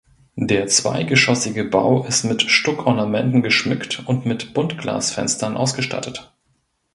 Der zweigeschossige Bau ist mit Stuckornamenten geschmückt und mit Buntglasfenstern ausgestattet.